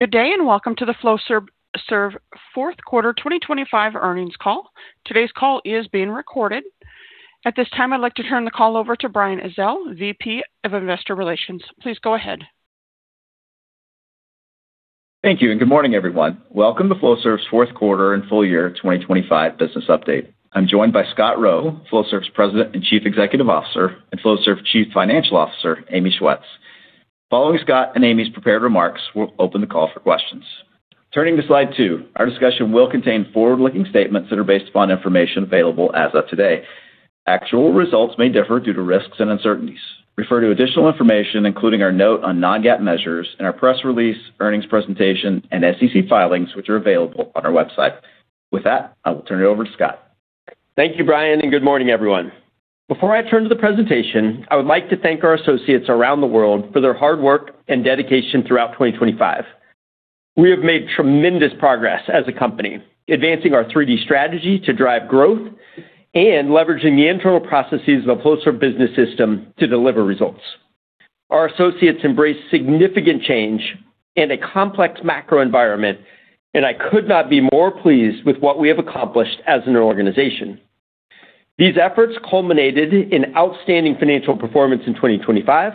Good day and welcome to the Flowserve Fourth Quarter 2025 Earnings Call. Today's call is being recorded. At this time, I'd like to turn the call over to Brian Ezzell, VP of Investor Relations. Please go ahead. Thank you, and good morning, everyone. Welcome to Flowserve's Fourth Quarter and Full Year 2025 Business Update. I'm joined by Scott Rowe, Flowserve's President and Chief Executive Officer, and Flowserve's Chief Financial Officer, Amy Schwetz. Following Scott and Amy's prepared remarks, we'll open the call for questions. Turning to slide 2, our discussion will contain forward-looking statements that are based upon information available as of today. Actual results may differ due to risks and uncertainties. Refer to additional information, including our note on non-GAAP measures and our press release, earnings presentation, and SEC filings, which are available on our website. With that, I will turn it over to Scott. Thank you, Brian, and good morning, everyone. Before I turn to the presentation, I would like to thank our associates around the world for their hard work and dedication throughout 2025. We have made tremendous progress as a company, advancing our 3D Strategy to drive growth and leveraging the internal processes of the Flowserve Business System to deliver results. Our associates embraced significant change in a complex macro environment, and I could not be more pleased with what we have accomplished as an organization. These efforts culminated in outstanding financial performance in 2025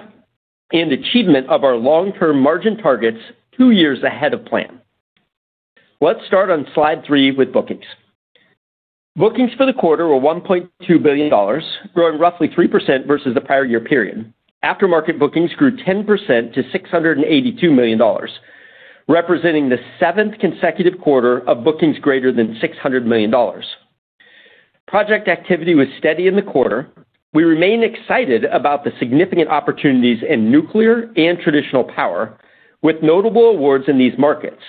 and achievement of our long-term margin targets two years ahead of plan. Let's start on slide 3 with bookings. Bookings for the quarter were $1.2 billion, growing roughly 3% versus the prior year period. Aftermarket bookings grew 10% to $682 million, representing the seventh consecutive quarter of bookings greater than $600 million. Project activity was steady in the quarter. We remain excited about the significant opportunities in nuclear and traditional power, with notable awards in these markets,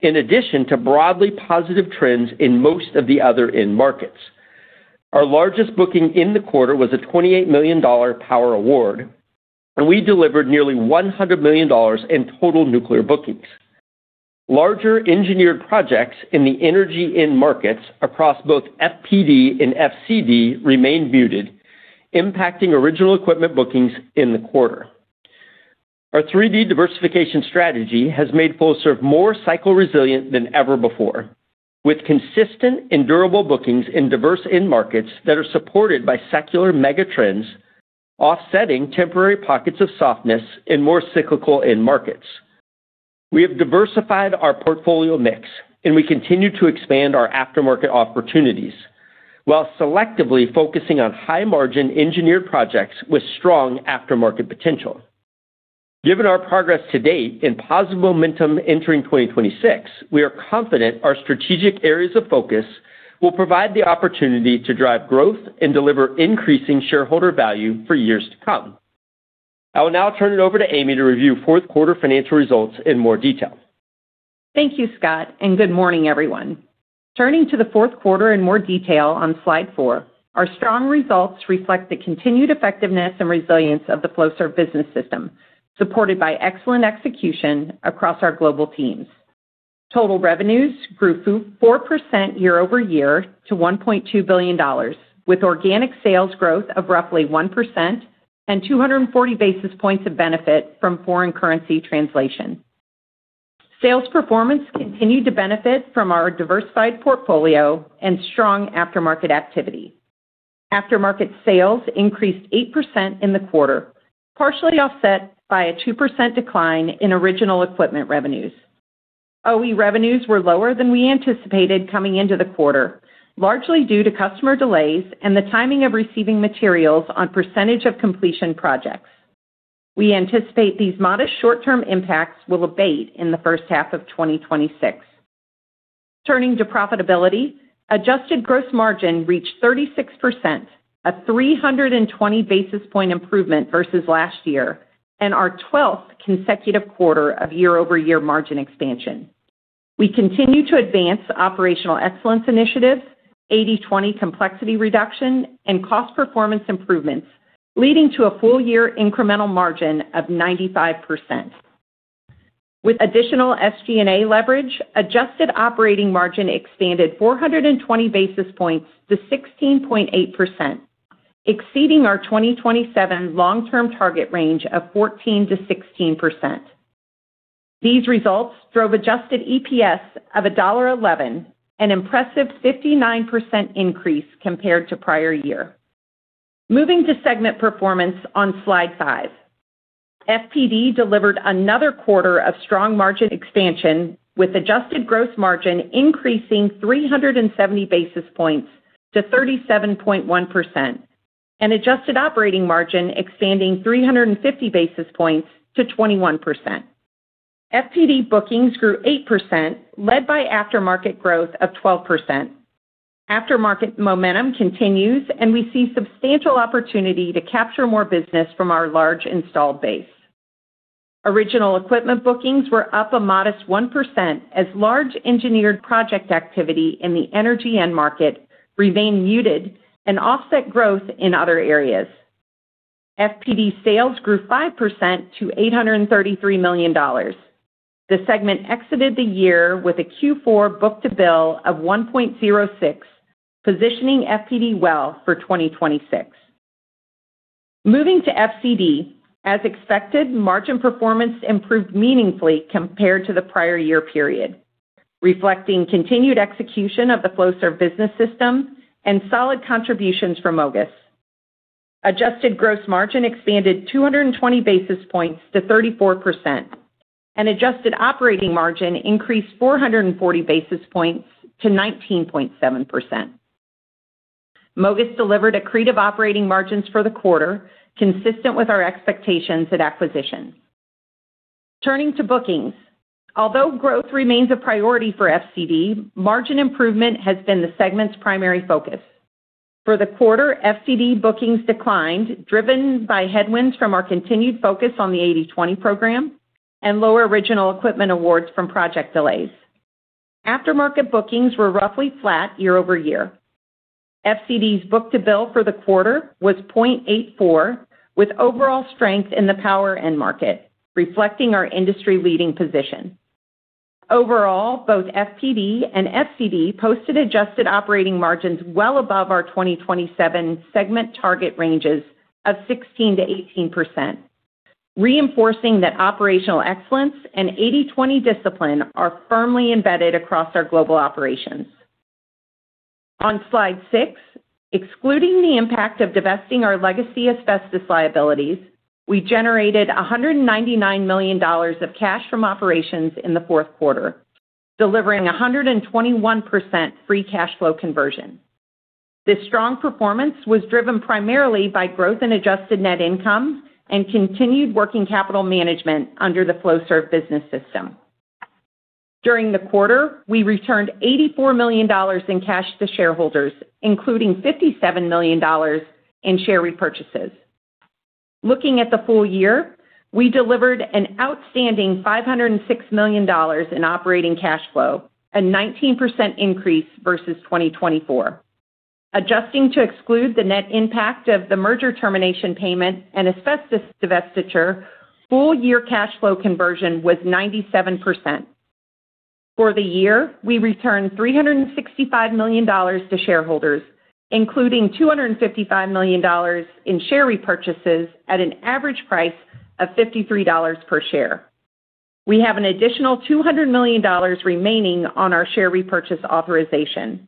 in addition to broadly positive trends in most of the other end-markets. Our largest booking in the quarter was a $28 million power award, and we delivered nearly $100 million in total nuclear bookings. Larger engineered projects in the energy end-markets across both FPD and FCD remained muted, impacting original equipment bookings in the quarter. Our 3D diversification strategy has made Flowserve more cycle-resilient than ever before, with consistent and durable bookings in diverse end-markets that are supported by secular mega-trends, offsetting temporary pockets of softness in more cyclical end-markets. We have diversified our portfolio mix, and we continue to expand our aftermarket opportunities while selectively focusing on high-margin engineered projects with strong aftermarket potential. Given our progress to date and positive momentum entering 2026, we are confident our strategic areas of focus will provide the opportunity to drive growth and deliver increasing shareholder value for years to come. I will now turn it over to Amy to review fourth quarter financial results in more detail. Thank you, Scott, and good morning, everyone. Turning to the fourth quarter in more detail on slide 4, our strong results reflect the continued effectiveness and resilience of the Flowserve Business System, supported by excellent execution across our global teams. Total revenues grew 4% year-over-year to $1.2 billion, with organic sales growth of roughly 1% and 240 basis points of benefit from foreign currency translation. Sales performance continued to benefit from our diversified portfolio and strong aftermarket activity. Aftermarket sales increased 8% in the quarter, partially offset by a 2% decline in original equipment revenues. OE revenues were lower than we anticipated coming into the quarter, largely due to customer delays and the timing of receiving materials on percentage of completion projects. We anticipate these modest short-term impacts will abate in the first half of 2026. Turning to profitability, adjusted gross margin reached 36%, a 320 basis point improvement versus last year and our 12th consecutive quarter of year-over-year margin expansion. We continue to advance operational excellence initiatives, 80/20 complexity reduction, and cost performance improvements, leading to a full year incremental margin of 95%. With additional SG&A leverage, adjusted operating margin expanded 420 basis points to 16.8%, exceeding our 2027 long-term target range of 14%-16%. These results drove adjusted EPS of $1.11, an impressive 59% increase compared to prior year. Moving to segment performance on slide 5, FPD delivered another quarter of strong margin expansion, with adjusted gross margin increasing 370 basis points to 37.1% and adjusted operating margin expanding 350 basis points to 21%. FPD bookings grew 8%, led by aftermarket growth of 12%. Aftermarket momentum continues, and we see substantial opportunity to capture more business from our large installed base. Original equipment bookings were up a modest 1% as large engineered project activity in the energy end-market remained muted and offset growth in other areas. FPD sales grew 5% to $833 million. The segment exited the year with a Q4 book-to-bill of 1.06, positioning FPD well for 2026. Moving to FCD, as expected, margin performance improved meaningfully compared to the prior year period, reflecting continued execution of the Flowserve Business System and solid contributions from MOGAS. Adjusted gross margin expanded 220 basis points to 34%, and adjusted operating margin increased 440 basis points to 19.7%. MOGAS delivered accretive operating margins for the quarter, consistent with our expectations at acquisition. Turning to bookings, although growth remains a priority for FCD, margin improvement has been the segment's primary focus. For the quarter, FCD bookings declined, driven by headwinds from our continued focus on the 80/20 program and lower original equipment awards from project delays. Aftermarket bookings were roughly flat year-over-year. FCD's book-to-bill for the quarter was 0.84, with overall strength in the power end-market, reflecting our industry-leading position. Overall, both FPD and FCD posted adjusted operating margins well above our 2027 segment target ranges of 16%-18%, reinforcing that operational excellence and 80/20 discipline are firmly embedded across our global operations. On slide 6, excluding the impact of divesting our legacy asbestos liabilities, we generated $199 million of cash from operations in the fourth quarter, delivering 121% free cash flow conversion. This strong performance was driven primarily by growth in adjusted net income and continued working capital management under the Flowserve Business System. During the quarter, we returned $84 million in cash to shareholders, including $57 million in share repurchases. Looking at the full year, we delivered an outstanding $506 million in operating cash flow, a 19% increase versus 2024. Adjusting to exclude the net impact of the merger termination payment and asbestos divestiture, full year cash flow conversion was 97%. For the year, we returned $365 million to shareholders, including $255 million in share repurchases at an average price of $53 per share. We have an additional $200 million remaining on our share repurchase authorization.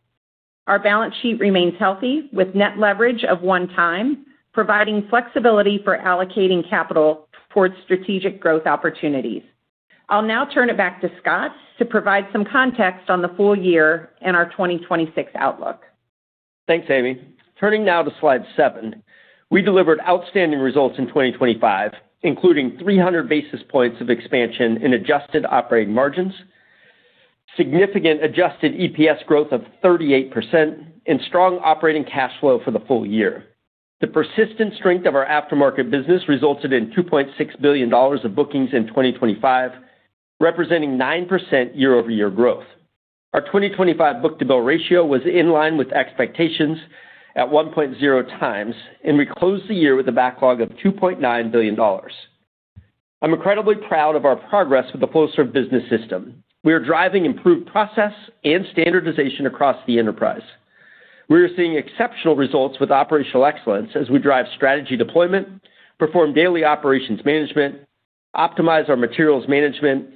Our balance sheet remains healthy, with net leverage of 1x, providing flexibility for allocating capital towards strategic growth opportunities. I'll now turn it back to Scott to provide some context on the full year and our 2026 outlook. Thanks, Amy. Turning now to slide 7, we delivered outstanding results in 2025, including 300 basis points of expansion in adjusted operating margins, significant adjusted EPS growth of 38%, and strong operating cash flow for the full year. The persistent strength of our aftermarket business resulted in $2.6 billion of bookings in 2025, representing 9% year-over-year growth. Our 2025 book-to-bill ratio was in line with expectations at 1.0 times and we closed the year with a backlog of $2.9 billion. I'm incredibly proud of our progress with the Flowserve Business System. We are driving improved process and standardization across the enterprise. We are seeing exceptional results with operational excellence as we drive strategy deployment, perform daily operations management, optimize our materials management,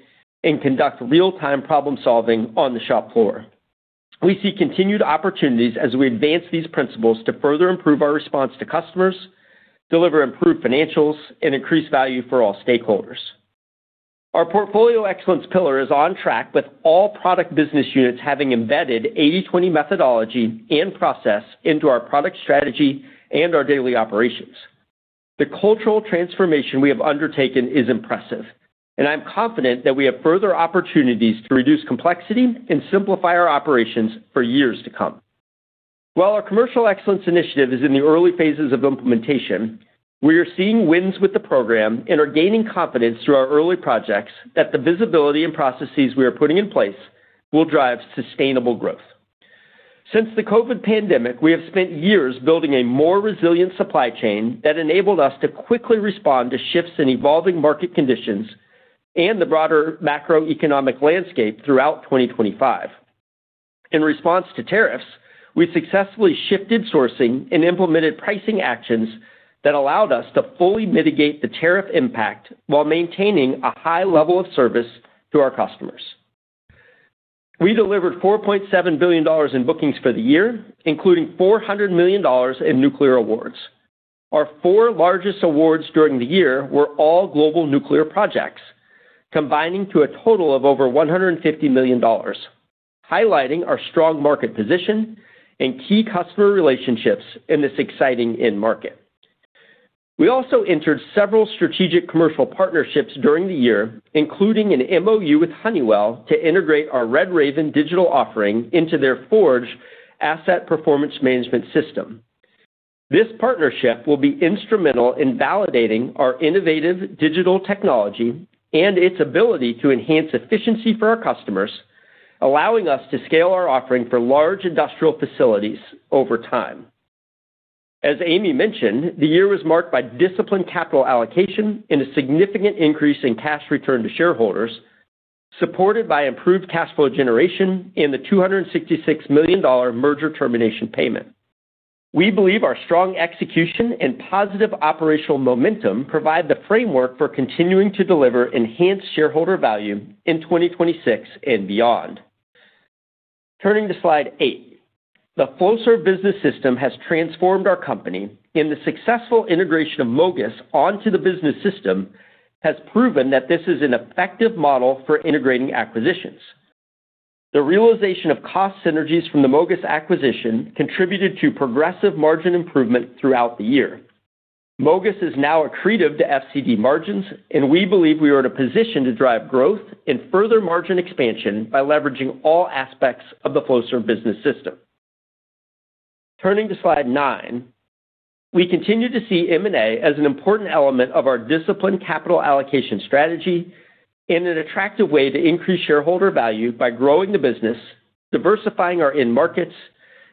and conduct real-time problem solving on the shop floor. We see continued opportunities as we advance these principles to further improve our response to customers, deliver improved financials, and increase value for all stakeholders. Our portfolio excellence pillar is on track, with all product business units having embedded 80/20 methodology and process into our product strategy and our daily operations. The cultural transformation we have undertaken is impressive, and I'm confident that we have further opportunities to reduce complexity and simplify our operations for years to come. While our commercial excellence initiative is in the early phases of implementation, we are seeing wins with the program and are gaining confidence through our early projects that the visibility and processes we are putting in place will drive sustainable growth. Since the COVID pandemic, we have spent years building a more resilient supply chain that enabled us to quickly respond to shifts in evolving market conditions and the broader macroeconomic landscape throughout 2025. In response to tariffs, we successfully shifted sourcing and implemented pricing actions that allowed us to fully mitigate the tariff impact while maintaining a high level of service to our customers. We delivered $4.7 billion in bookings for the year, including $400 million in nuclear awards. Our four largest awards during the year were all global nuclear projects, combining to a total of over $150 million, highlighting our strong market position and key customer relationships in this exciting end-market. We also entered several strategic commercial partnerships during the year, including an MOU with Honeywell to integrate our Red Raven digital offering into their Forge asset performance management system. This partnership will be instrumental in validating our innovative digital technology and its ability to enhance efficiency for our customers, allowing us to scale our offering for large industrial facilities over time. As Amy mentioned, the year was marked by disciplined capital allocation and a significant increase in cash return to shareholders, supported by improved cash flow generation and the $266 million merger termination payment. We believe our strong execution and positive operational momentum provide the framework for continuing to deliver enhanced shareholder value in 2026 and beyond. Turning to slide 8, the Flowserve Business System has transformed our company, and the successful integration of MOGAS onto the business system has proven that this is an effective model for integrating acquisitions. The realization of cost synergies from the MOGAS acquisition contributed to progressive margin improvement throughout the year. MOGAS is now accretive to FCD margins, and we believe we are in a position to drive growth and further margin expansion by leveraging all aspects of the Flowserve Business System. Turning to slide 9, we continue to see M&A as an important element of our disciplined capital allocation strategy and an attractive way to increase shareholder value by growing the business, diversifying our end-markets,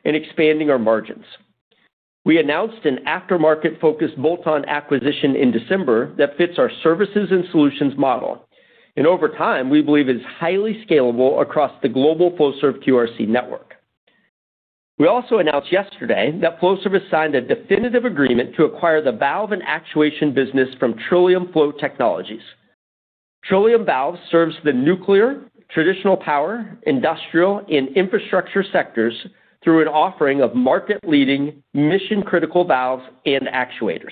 and expanding our margins. We announced an aftermarket-focused bolt-on acquisition in December that fits our services and solutions model and, over time, we believe is highly scalable across the global Flowserve QRC network. We also announced yesterday that Flowserve has signed a definitive agreement to acquire the valve and actuation business from Trillium Flow Technologies. Trillium Valves serves the nuclear, traditional power, industrial, and infrastructure sectors through an offering of market-leading, mission-critical valves and actuators.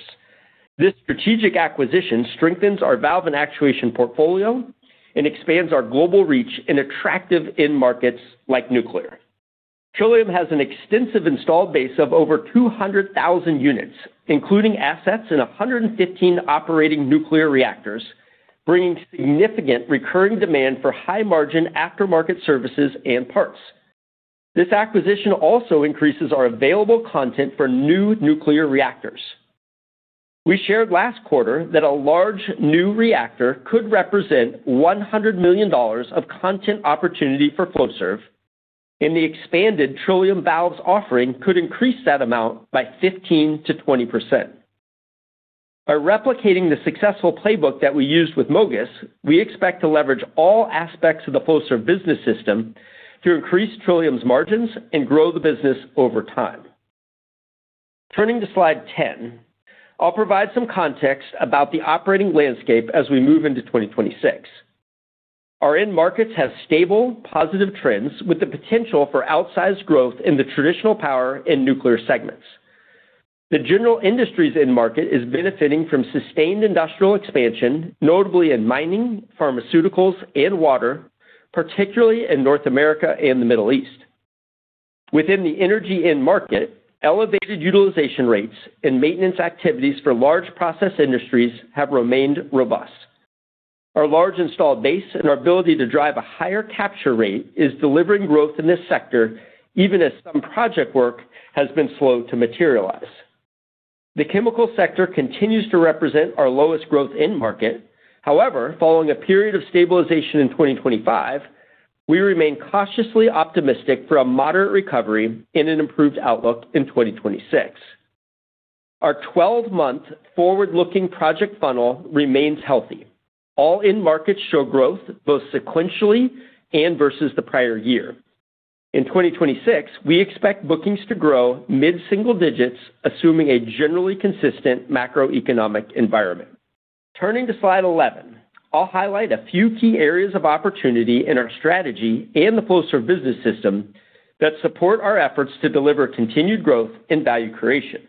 This strategic acquisition strengthens our valve and actuation portfolio and expands our global reach in attractive end-markets like nuclear. Trillium has an extensive installed base of over 200,000 units, including assets in 115 operating nuclear reactors, bringing significant recurring demand for high-margin aftermarket services and parts. This acquisition also increases our available content for new nuclear reactors. We shared last quarter that a large new reactor could represent $100 million of content opportunity for Flowserve, and the expanded Trillium Valves offering could increase that amount by 15%-20%. By replicating the successful playbook that we used with MOGAS, we expect to leverage all aspects of the Flowserve Business System to increase Trillium's margins and grow the business over time. Turning to slide 10, I'll provide some context about the operating landscape as we move into 2026. Our end-markets have stable, positive trends with the potential for outsized growth in the traditional power and nuclear segments. The general industries end-market is benefiting from sustained industrial expansion, notably in mining, pharmaceuticals, and water, particularly in North America and the Middle East. Within the energy end-market, elevated utilization rates and maintenance activities for large process industries have remained robust. Our large installed base and our ability to drive a higher capture rate is delivering growth in this sector, even as some project work has been slow to materialize. The chemical sector continues to represent our lowest growth end-market. However, following a period of stabilization in 2025, we remain cautiously optimistic for a moderate recovery and an improved outlook in 2026. Our 12-month forward-looking project funnel remains healthy. All end-markets show growth both sequentially and versus the prior year. In 2026, we expect bookings to grow mid-single digits, assuming a generally consistent macroeconomic environment. Turning to slide 11, I'll highlight a few key areas of opportunity in our strategy and the Flowserve Business System that support our efforts to deliver continued growth and value creation.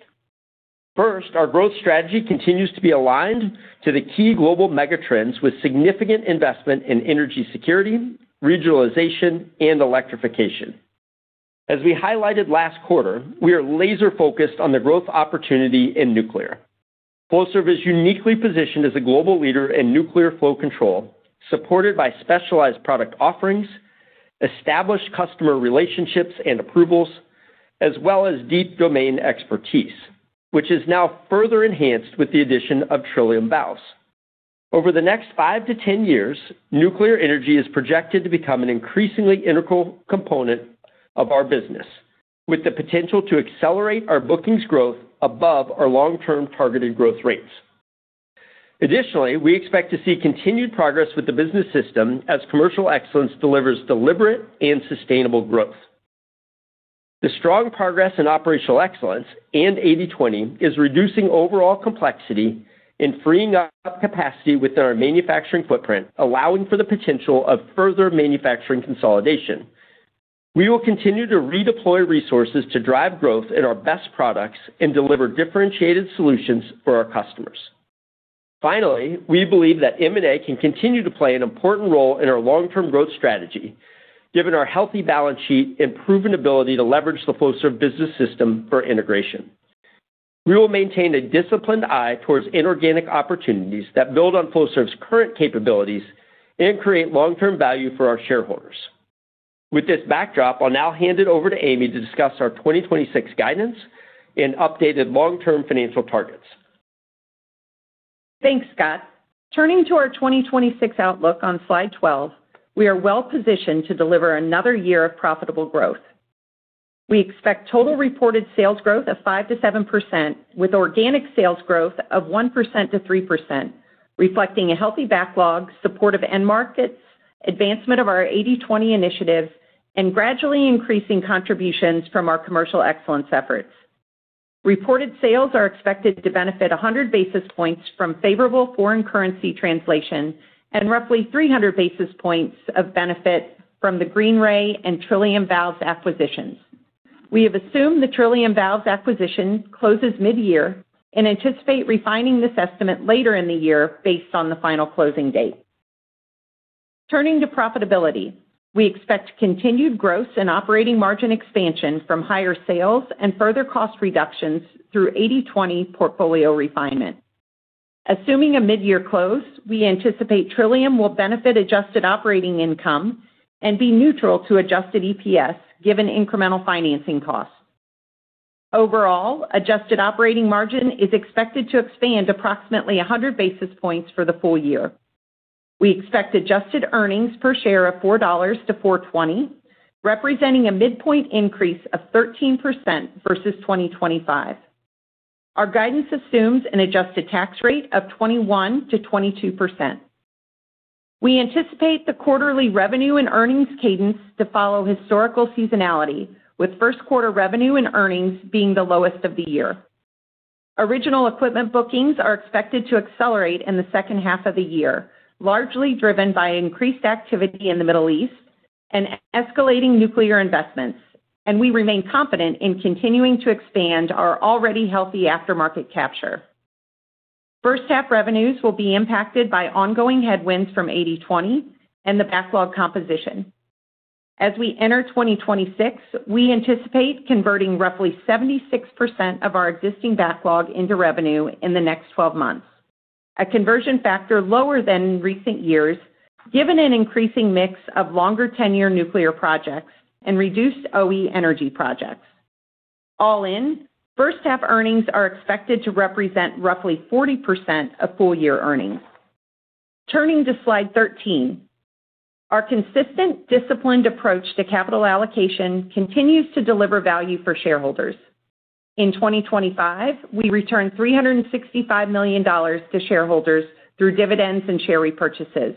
First, our growth strategy continues to be aligned to the key global megatrends with significant investment in energy security, regionalization, and electrification. As we highlighted last quarter, we are laser-focused on the growth opportunity in nuclear. Flowserve is uniquely positioned as a global leader in nuclear flow control, supported by specialized product offerings, established customer relationships and approvals, as well as deep domain expertise, which is now further enhanced with the addition of Trillium Valves. Over the next 5-10 years, nuclear energy is projected to become an increasingly integral component of our business, with the potential to accelerate our bookings growth above our long-term targeted growth rates. Additionally, we expect to see continued progress with the business system as commercial excellence delivers deliberate and sustainable growth. The strong progress in operational excellence and 80/20 is reducing overall complexity and freeing up capacity within our manufacturing footprint, allowing for the potential of further manufacturing consolidation. We will continue to redeploy resources to drive growth in our best products and deliver differentiated solutions for our customers. Finally, we believe that M&A can continue to play an important role in our long-term growth strategy, given our healthy balance sheet and proven ability to leverage the Flowserve Business System for integration. We will maintain a disciplined eye towards inorganic opportunities that build on Flowserve's current capabilities and create long-term value for our shareholders. With this backdrop, I'll now hand it over to Amy to discuss our 2026 guidance and updated long-term financial targets. Thanks, Scott. Turning to our 2026 outlook on slide 12, we are well positioned to deliver another year of profitable growth. We expect total reported sales growth of 5%-7%, with organic sales growth of 1%-3%, reflecting a healthy backlog, supportive end-markets, advancement of our 80/20 initiatives, and gradually increasing contributions from our commercial excellence efforts. Reported sales are expected to benefit 100 basis points from favorable foreign currency translation and roughly 300 basis points of benefit from the Greenray and Trillium Valves acquisitions. We have assumed the Trillium Valves acquisition closes mid-year and anticipate refining this estimate later in the year based on the final closing date. Turning to profitability, we expect continued growth and operating margin expansion from higher sales and further cost reductions through 80/20 portfolio refinement. Assuming a mid-year close, we anticipate Trillium will benefit adjusted operating income and be neutral to adjusted EPS, given incremental financing costs. Overall, adjusted operating margin is expected to expand approximately 100 basis points for the full year. We expect adjusted earnings per share of $4-$4.20, representing a midpoint increase of 13% versus 2025. Our guidance assumes an adjusted tax rate of 21%-22%. We anticipate the quarterly revenue and earnings cadence to follow historical seasonality, with first quarter revenue and earnings being the lowest of the year. Original equipment bookings are expected to accelerate in the second half of the year, largely driven by increased activity in the Middle East and escalating nuclear investments, and we remain confident in continuing to expand our already healthy aftermarket capture. First half revenues will be impacted by ongoing headwinds from 80/20 and the backlog composition. As we enter 2026, we anticipate converting roughly 76% of our existing backlog into revenue in the next 12 months, a conversion factor lower than in recent years, given an increasing mix of longer-tenure nuclear projects and reduced OE energy projects. All in, first half earnings are expected to represent roughly 40% of full-year earnings. Turning to slide 13, our consistent, disciplined approach to capital allocation continues to deliver value for shareholders. In 2025, we returned $365 million to shareholders through dividends and share repurchases,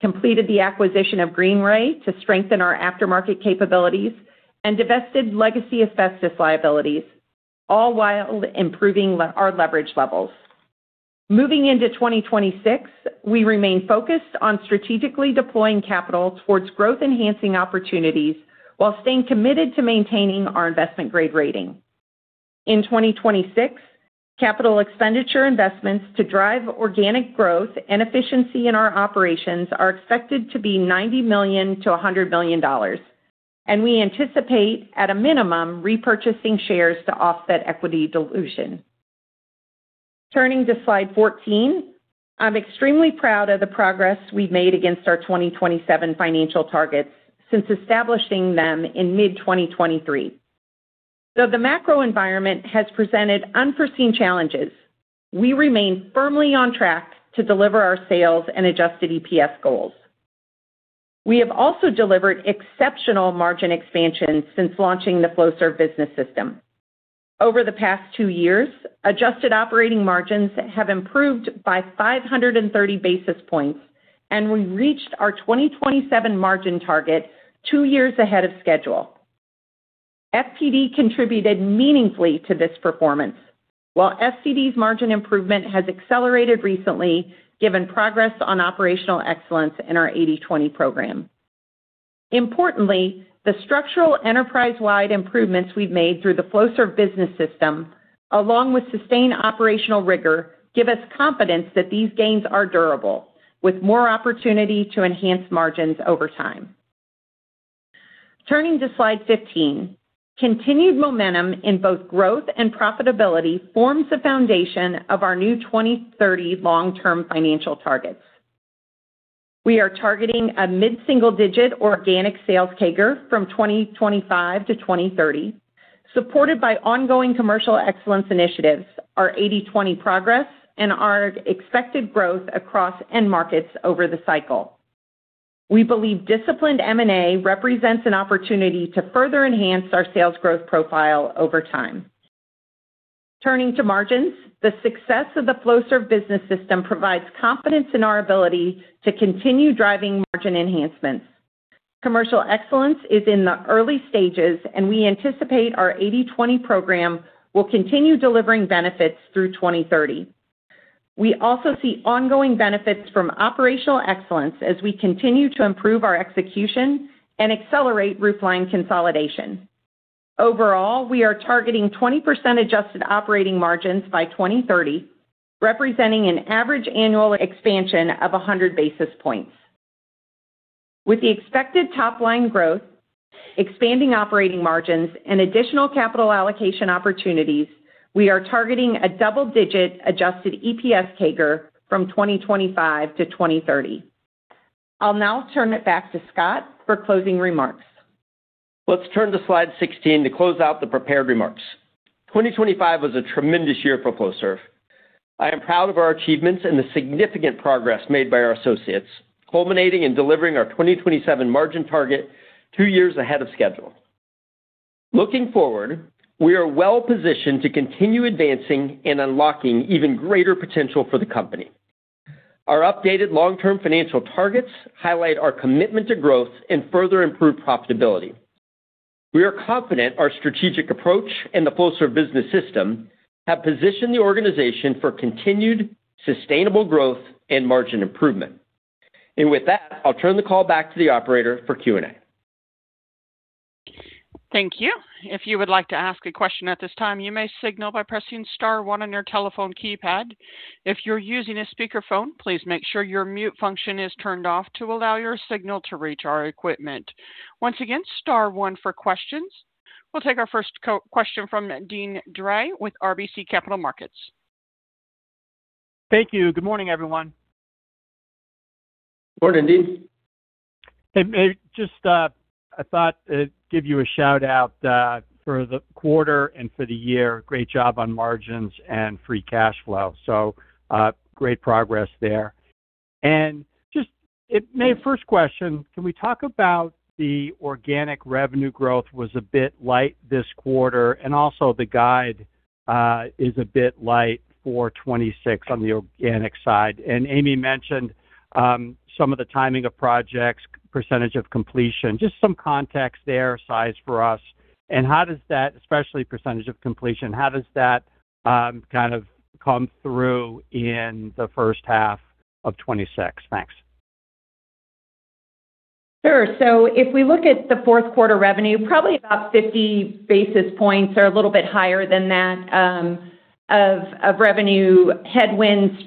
completed the acquisition of Greenray to strengthen our aftermarket capabilities, and divested legacy asbestos liabilities, all while improving our leverage levels. Moving into 2026, we remain focused on strategically deploying capital towards growth-enhancing opportunities while staying committed to maintaining our investment-grade rating. In 2026, capital expenditure investments to drive organic growth and efficiency in our operations are expected to be $90 million-$100 million, and we anticipate, at a minimum, repurchasing shares to offset equity dilution. Turning to slide 14, I'm extremely proud of the progress we've made against our 2027 financial targets since establishing them in mid-2023. Though the macro environment has presented unforeseen challenges, we remain firmly on track to deliver our sales and adjusted EPS goals. We have also delivered exceptional margin expansion since launching the Flowserve Business System. Over the past two years, adjusted operating margins have improved by 530 basis points, and we reached our 2027 margin target two years ahead of schedule. FPD contributed meaningfully to this performance, while FCD's margin improvement has accelerated recently, given progress on operational excellence in our 80/20 program. Importantly, the structural enterprise-wide improvements we've made through the Flowserve Business System, along with sustained operational rigor, give us confidence that these gains are durable, with more opportunity to enhance margins over time. Turning to slide 15, continued momentum in both growth and profitability forms the foundation of our new 2030 long-term financial targets. We are targeting a mid-single digit organic sales CAGR from 2025 to 2030, supported by ongoing commercial excellence initiatives, our 80/20 progress, and our expected growth across end-markets over the cycle. We believe disciplined M&A represents an opportunity to further enhance our sales growth profile over time. Turning to margins, the success of the Flowserve Business System provides confidence in our ability to continue driving margin enhancements. Commercial excellence is in the early stages, and we anticipate our 80/20 program will continue delivering benefits through 2030. We also see ongoing benefits from operational excellence as we continue to improve our execution and accelerate roofline consolidation. Overall, we are targeting 20% adjusted operating margins by 2030, representing an average annual expansion of 100 basis points. With the expected top-line growth, expanding operating margins, and additional capital allocation opportunities, we are targeting a double-digit adjusted EPS CAGR from 2025 to 2030. I'll now turn it back to Scott for closing remarks. Let's turn to slide 16 to close out the prepared remarks. 2025 was a tremendous year for Flowserve. I am proud of our achievements and the significant progress made by our associates, culminating in delivering our 2027 margin target two years ahead of schedule. Looking forward, we are well positioned to continue advancing and unlocking even greater potential for the company. Our updated long-term financial targets highlight our commitment to growth and further improved profitability. We are confident our strategic approach and the Flowserve Business System have positioned the organization for continued, sustainable growth and margin improvement. With that, I'll turn the call back to the operator for Q&A. Thank you. If you would like to ask a question at this time, you may signal by pressing star one on your telephone keypad. If you're using a speakerphone, please make sure your mute function is turned off to allow your signal to reach our equipment. Once again, star one for questions. We'll take our first question from Deane Dray with RBC Capital Markets. Thank you. Good morning, everyone. Good morning, Dean. Hey, just I thought I'd give you a shout-out for the quarter and for the year. Great job on margins and free cash flow. So great progress there. And just maybe first question, can we talk about the organic revenue growth was a bit light this quarter, and also the guide is a bit light for 2026 on the organic side. And Amy mentioned some of the timing of projects, percentage of completion, just some context there, size for us. And how does that, especially percentage of completion, how does that kind of come through in the first half of 2026? Thanks. Sure. So if we look at the fourth quarter revenue, probably about 50 basis points or a little bit higher than that of revenue headwinds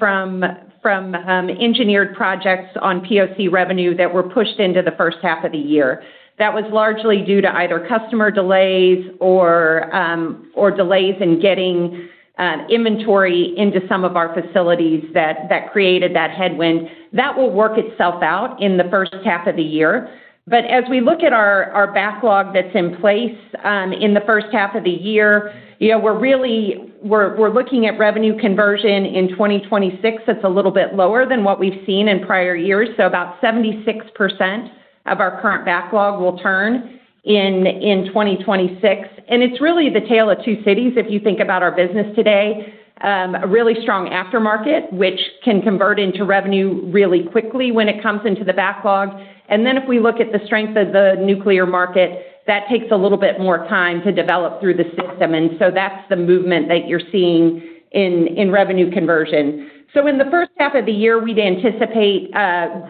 from engineered projects on POC revenue that were pushed into the first half of the year. That was largely due to either customer delays or delays in getting inventory into some of our facilities that created that headwind. That will work itself out in the first half of the year. But as we look at our backlog that's in place in the first half of the year, we're looking at revenue conversion in 2026 that's a little bit lower than what we've seen in prior years. So about 76% of our current backlog will turn in 2026. And it's really the tale of two cities if you think about our business today. A really strong aftermarket, which can convert into revenue really quickly when it comes into the backlog. Then if we look at the strength of the nuclear market, that takes a little bit more time to develop through the system. So that's the movement that you're seeing in revenue conversion. In the first half of the year, we'd anticipate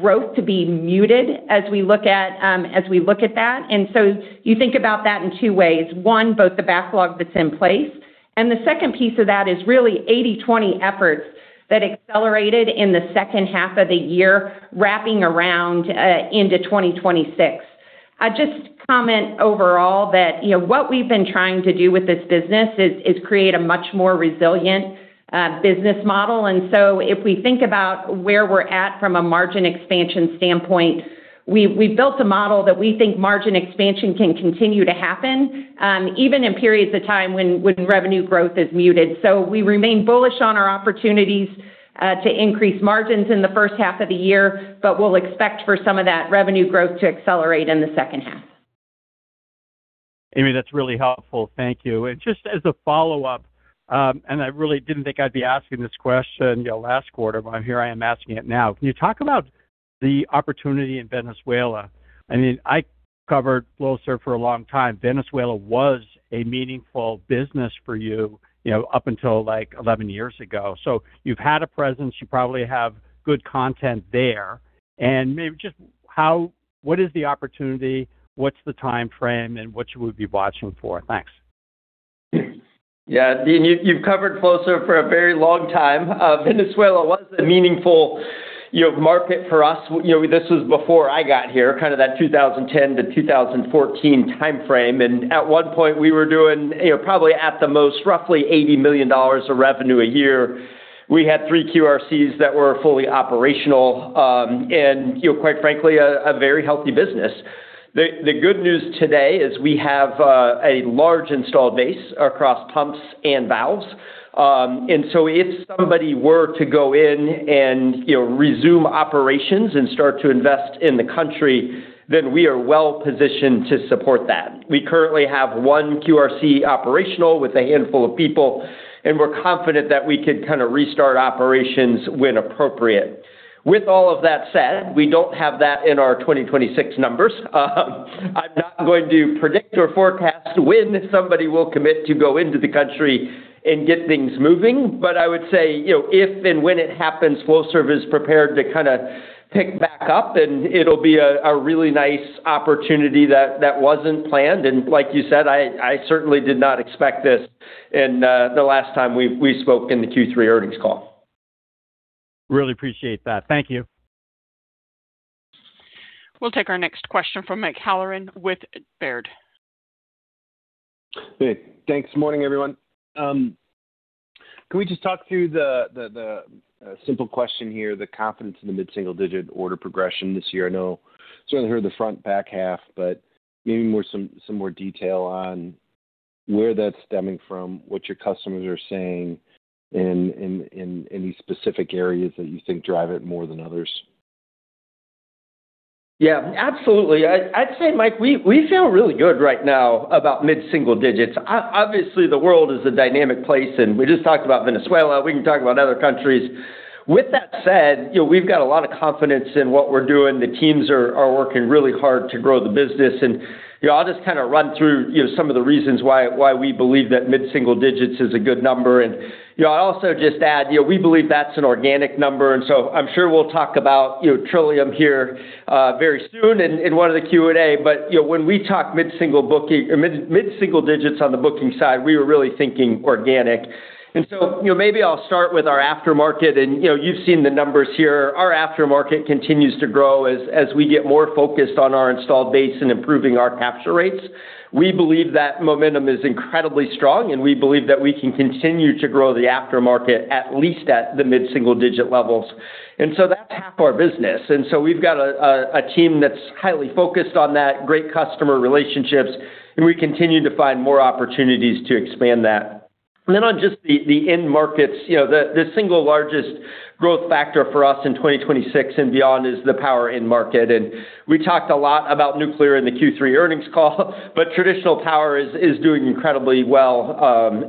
growth to be muted as we look at that. You think about that in two ways. One, both the backlog that's in place. The second piece of that is really 80/20 efforts that accelerated in the second half of the year, wrapping around into 2026. I'd just comment overall that what we've been trying to do with this business is create a much more resilient business model. And so if we think about where we're at from a margin expansion standpoint, we've built a model that we think margin expansion can continue to happen, even in periods of time when revenue growth is muted. So we remain bullish on our opportunities to increase margins in the first half of the year, but we'll expect for some of that revenue growth to accelerate in the second half. Amy, that's really helpful. Thank you. And just as a follow-up, and I really didn't think I'd be asking this question last quarter, but here I am asking it now. Can you talk about the opportunity in Venezuela? I mean, I covered Flowserve for a long time. Venezuela was a meaningful business for you up until like 11 years ago. So you've had a presence. You probably have good content there. And maybe just what is the opportunity? What's the time frame? And what should we be watching for? Thanks. Yeah, Dean, you've covered Flowserve for a very long time. Venezuela was a meaningful market for us. This was before I got here, kind of that 2010-2014 time frame. At one point, we were doing probably at the most, roughly $80 million of revenue a year. We had three QRCs that were fully operational and, quite frankly, a very healthy business. The good news today is we have a large installed base across pumps and valves. So if somebody were to go in and resume operations and start to invest in the country, then we are well positioned to support that. We currently have one QRC operational with a handful of people, and we're confident that we could kind of restart operations when appropriate. With all of that said, we don't have that in our 2026 numbers. I'm not going to predict or forecast when somebody will commit to go into the country and get things moving. But I would say if and when it happens, Flowserve is prepared to kind of pick back up, and it'll be a really nice opportunity that wasn't planned. And like you said, I certainly did not expect this in the last time we spoke in the Q3 earnings call. Really appreciate that. Thank you. We'll take our next question from Mike Halloran with Baird. Hey, thanks. Morning, everyone. Can we just talk through the simple question here, the confidence in the mid-single-digit order progression this year? I know I sort of heard the front-back half, but maybe some more detail on where that's stemming from, what your customers are saying, and any specific areas that you think drive it more than others. Yeah, absolutely. I'd say, Mike, we feel really good right now about mid-single digits. Obviously, the world is a dynamic place, and we just talked about Venezuela. We can talk about other countries. With that said, we've got a lot of confidence in what we're doing. The teams are working really hard to grow the business. And I'll just kind of run through some of the reasons why we believe that mid-single digits is a good number. And I'll also just add, we believe that's an organic number. And so I'm sure we'll talk about Trillium here very soon in one of the Q&A. But when we talk mid-single digits on the booking side, we were really thinking organic. And so maybe I'll start with our aftermarket. And you've seen the numbers here. Our aftermarket continues to grow as we get more focused on our installed base and improving our capture rates. We believe that momentum is incredibly strong, and we believe that we can continue to grow the aftermarket, at least at the mid-single digit levels. And so that's half our business. And so we've got a team that's highly focused on that, great customer relationships, and we continue to find more opportunities to expand that. And then on just the end-markets, the single largest growth factor for us in 2026 and beyond is the power end-market. And we talked a lot about nuclear in the Q3 earnings call, but traditional power is doing incredibly well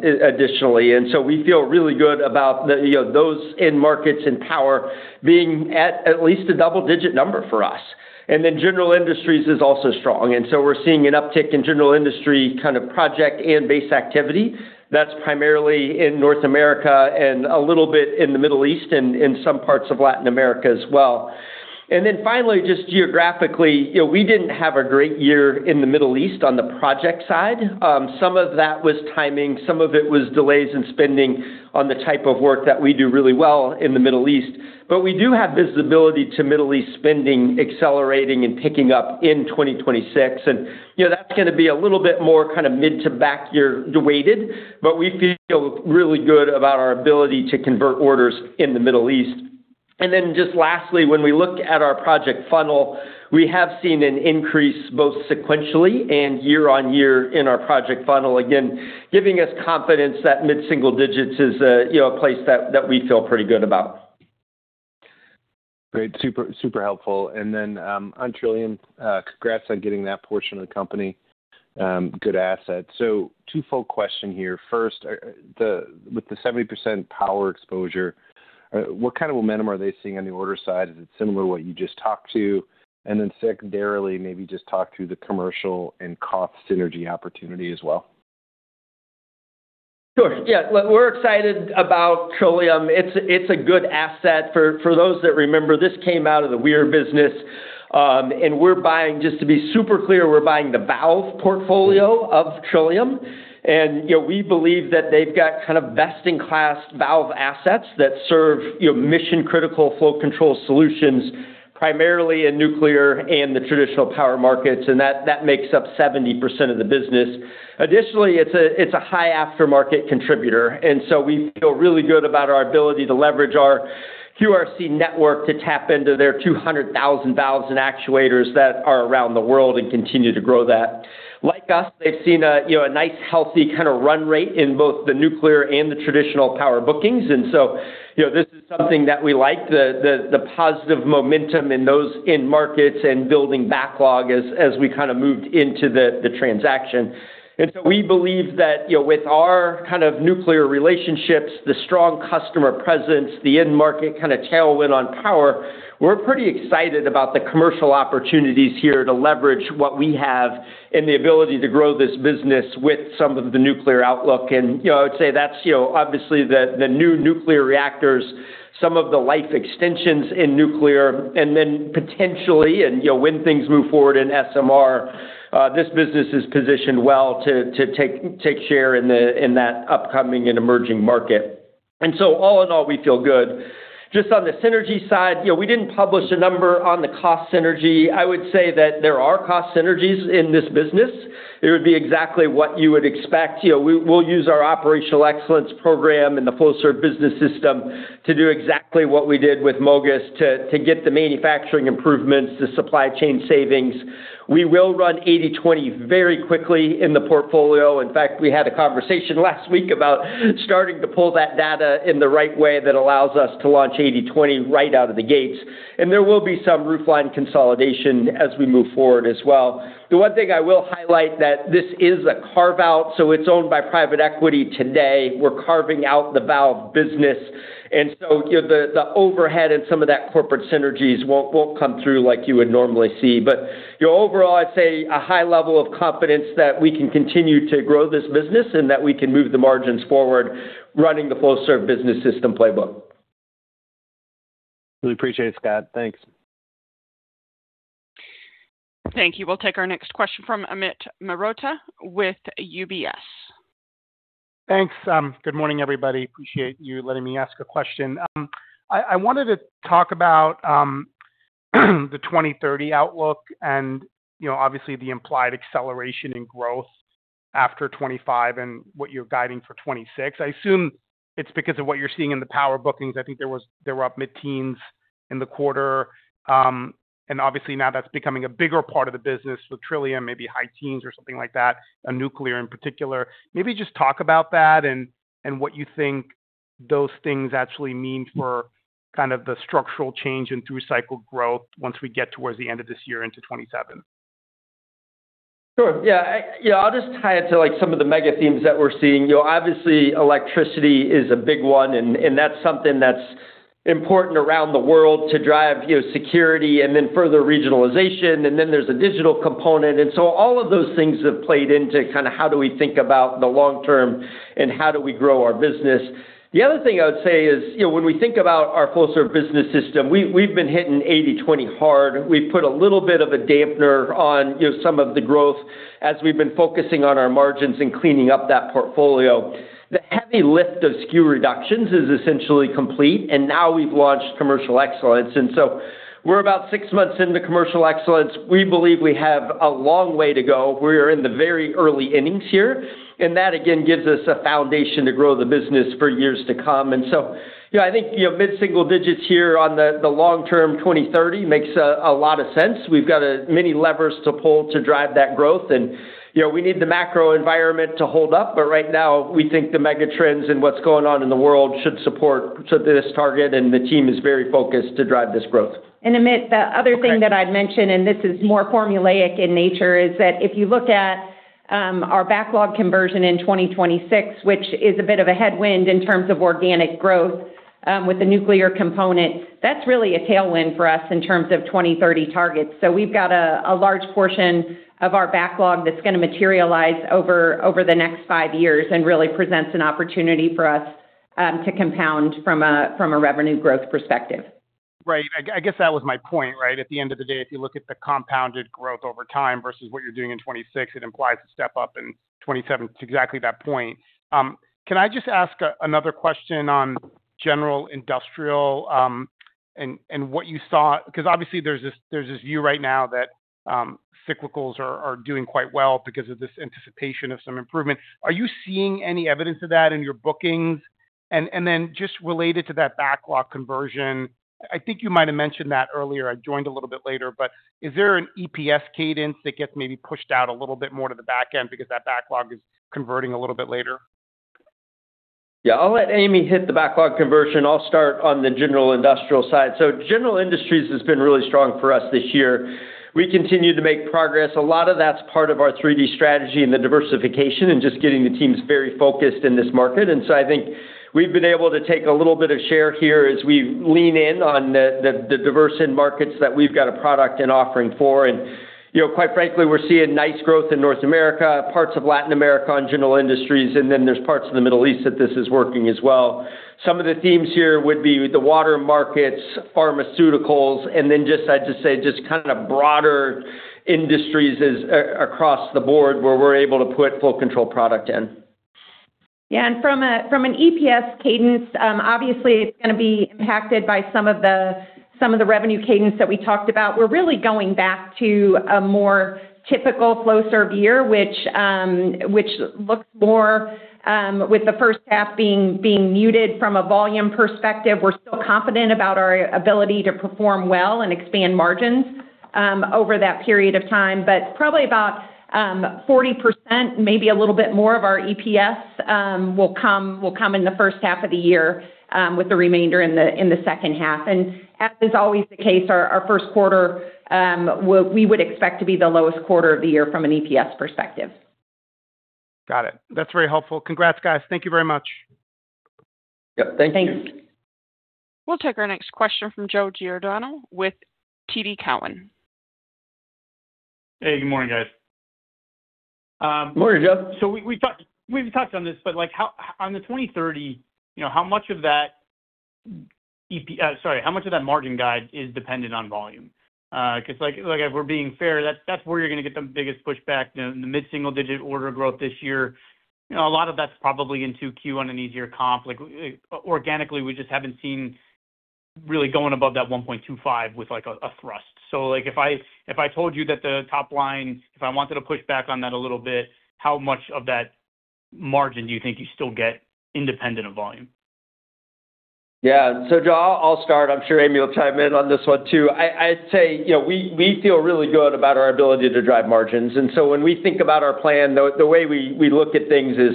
additionally. And so we feel really good about those end-markets and power being at least a double-digit number for us. And then general industries is also strong. And so we're seeing an uptick in general industry kind of project and base activity. That's primarily in North America and a little bit in the Middle East and in some parts of Latin America as well. And then finally, just geographically, we didn't have a great year in the Middle East on the project side. Some of that was timing. Some of it was delays in spending on the type of work that we do really well in the Middle East. But we do have visibility to Middle East spending accelerating and picking up in 2026. And that's going to be a little bit more kind of mid to back-year weighted, but we feel really good about our ability to convert orders in the Middle East. And then just lastly, when we look at our project funnel, we have seen an increase both sequentially and year-on-year in our project funnel, again, giving us confidence that mid-single digits is a place that we feel pretty good about. Great. Super helpful. And then on Trillium, congrats on getting that portion of the company. Good asset. So two-fold question here. First, with the 70% power exposure, what kind of momentum are they seeing on the order side? Is it similar to what you just talked to? And then secondarily, maybe just talk through the commercial and cost synergy opportunity as well. Sure. Yeah. We're excited about Trillium. It's a good asset. For those that remember, this came out of the Weir business. And we're buying, just to be super clear, we're buying the valve portfolio of Trillium. And we believe that they've got kind of best-in-class valve assets that serve mission-critical flow control solutions, primarily in nuclear and the traditional power markets. And that makes up 70% of the business. Additionally, it's a high aftermarket contributor. And so we feel really good about our ability to leverage our QRC network to tap into their 200,000 valves and actuators that are around the world and continue to grow that. Like us, they've seen a nice, healthy kind of run rate in both the nuclear and the traditional power bookings. And so this is something that we like, the positive momentum in those end-markets and building backlog as we kind of moved into the transaction. And so we believe that with our kind of nuclear relationships, the strong customer presence, the end-market kind of tailwind on power, we're pretty excited about the commercial opportunities here to leverage what we have and the ability to grow this business with some of the nuclear outlook. And I would say that's obviously the new nuclear reactors, some of the life extensions in nuclear. And then potentially, and when things move forward in SMR, this business is positioned well to take share in that upcoming and emerging market. And so all in all, we feel good. Just on the synergy side, we didn't publish a number on the cost synergy. I would say that there are cost synergies in this business. It would be exactly what you would expect. We'll use our operational excellence program in the Flowserve Business System to do exactly what we did with MOGAS to get the manufacturing improvements, the supply chain savings. We will run 80/20 very quickly in the portfolio. In fact, we had a conversation last week about starting to pull that data in the right way that allows us to launch 80/20 right out of the gates. There will be some roofline consolidation as we move forward as well. The one thing I will highlight, that this is a carve-out. So it's owned by private equity today. We're carving out the valve business. So the overhead and some of that corporate synergies won't come through like you would normally see. But overall, I'd say a high level of confidence that we can continue to grow this business and that we can move the margins forward running the Flowserve Business System playbook. Really appreciate it, Scott. Thanks. Thank you. We'll take our next question from Amit Mehrotra with UBS. Thanks. Good morning, everybody. Appreciate you letting me ask a question. I wanted to talk about the 2030 outlook and obviously the implied acceleration and growth after 2025 and what you're guiding for 2026. I assume it's because of what you're seeing in the power bookings. I think they were up mid-teens in the quarter. And obviously, now that's becoming a bigger part of the business with Trillium, maybe high teens or something like that, and nuclear in particular. Maybe just talk about that and what you think those things actually mean for kind of the structural change and through-cycle growth once we get towards the end of this year into 2027. Sure. Yeah. I'll just tie it to some of the mega themes that we're seeing. Obviously, electricity is a big one, and that's something that's important around the world to drive security and then further regionalization. And then there's a digital component. And so all of those things have played into kind of how do we think about the long term and how do we grow our business. The other thing I would say is when we think about our Flowserve Business System, we've been hitting 80/20 hard. We've put a little bit of a dampener on some of the growth as we've been focusing on our margins and cleaning up that portfolio. The heavy lift of SKU reductions is essentially complete, and now we've launched commercial excellence. And so we're about six months into commercial excellence. We believe we have a long way to go. We are in the very early innings here. That, again, gives us a foundation to grow the business for years to come. So I think mid-single digits here on the long-term 2030 makes a lot of sense. We've got many levers to pull to drive that growth. We need the macro environment to hold up. Right now, we think the mega trends and what's going on in the world should support this target. The team is very focused to drive this growth. And Amit, the other thing that I'd mention, and this is more formulaic in nature, is that if you look at our backlog conversion in 2026, which is a bit of a headwind in terms of organic growth with the nuclear component, that's really a tailwind for us in terms of 2030 targets. So we've got a large portion of our backlog that's going to materialize over the next five years and really presents an opportunity for us to compound from a revenue growth perspective. Right. I guess that was my point, right? At the end of the day, if you look at the compounded growth over time versus what you're doing in 2026, it implies to step up in 2027 to exactly that point. Can I just ask another question on general industrial and what you saw? Because obviously, there's this view right now that cyclicals are doing quite well because of this anticipation of some improvement. Are you seeing any evidence of that in your bookings? And then just related to that backlog conversion, I think you might have mentioned that earlier. I joined a little bit later. But is there an EPS cadence that gets maybe pushed out a little bit more to the back end because that backlog is converting a little bit later? Yeah. I'll let Amy hit the backlog conversion. I'll start on the general industrial side. General industries has been really strong for us this year. We continue to make progress. A lot of that's part of our 3D Strategy and the diversification and just getting the teams very focused in this market. So I think we've been able to take a little bit of share here as we lean in on the diverse end-markets that we've got a product and offering for. And quite frankly, we're seeing nice growth in North America, parts of Latin America on general industries, and then there's parts of the Middle East that this is working as well. Some of the themes here would be the water markets, pharmaceuticals, and then just, I'd just say, just kind of broader industries across the board where we're able to put flow control product in. Yeah. And from an EPS cadence, obviously, it's going to be impacted by some of the revenue cadence that we talked about. We're really going back to a more typical Flowserve year, which looks more with the first half being muted from a volume perspective. We're still confident about our ability to perform well and expand margins over that period of time. But probably about 40%, maybe a little bit more of our EPS will come in the first half of the year with the remainder in the second half. And as is always the case, our first quarter, we would expect to be the lowest quarter of the year from an EPS perspective. Got it. That's very helpful. Congrats, guys. Thank you very much. Yep. Thank you. Thanks. We'll take our next question from Joe Giordano with TD Cowen. Hey. Good morning, guys. Morning, Joe. So we've talked on this, but on the 2030, how much of that—sorry, how much of that margin guide is dependent on volume? Because if we're being fair, that's where you're going to get the biggest pushback in the mid-single digit order growth this year. A lot of that's probably in 2Q on an easier comp. Organically, we just haven't seen really going above that 1.25 with a thrust. So if I told you that the top line, if I wanted to push back on that a little bit, how much of that margin do you think you still get independent of volume? Yeah. So Joe, I'll start. I'm sure Amy will chime in on this one too. I'd say we feel really good about our ability to drive margins. And so when we think about our plan, the way we look at things is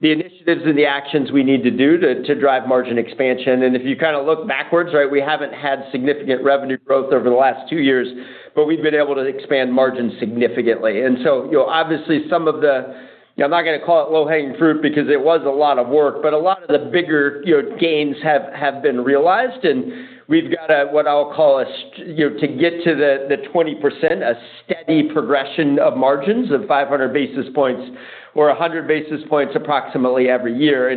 the initiatives and the actions we need to do to drive margin expansion. And if you kind of look backwards, right, we haven't had significant revenue growth over the last two years, but we've been able to expand margins significantly. And so obviously, some of the I'm not going to call it low-hanging fruit because it was a lot of work, but a lot of the bigger gains have been realized. And we've got what I'll call a to get to the 20%, a steady progression of margins of 500 basis points or 100 basis points approximately every year.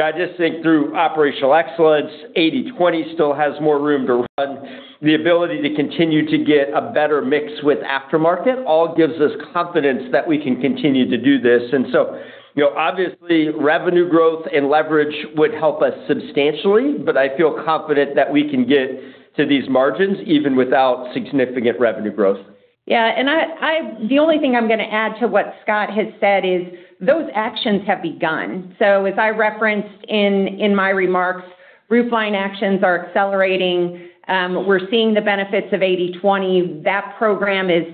I just think through operational excellence, 80/20 still has more room to run. The ability to continue to get a better mix with aftermarket all gives us confidence that we can continue to do this. And so obviously, revenue growth and leverage would help us substantially, but I feel confident that we can get to these margins even without significant revenue growth. Yeah. And the only thing I'm going to add to what Scott has said is those actions have begun. So as I referenced in my remarks, roofline actions are accelerating. We're seeing the benefits of 80/20. That program is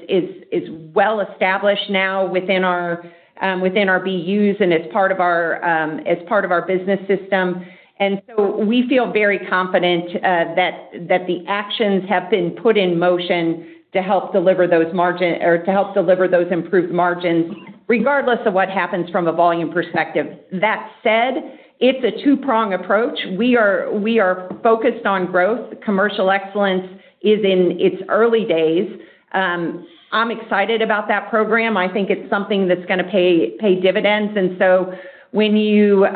well established now within our BUs and as part of our business system. And so we feel very confident that the actions have been put in motion to help deliver those improved margins regardless of what happens from a volume perspective. That said, it's a two-pronged approach. We are focused on growth. Commercial excellence is in its early days. I'm excited about that program. I think it's something that's going to pay dividends. And so when you